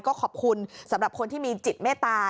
ก็ขอบคุณสำหรับคนที่มีจิตเมตตา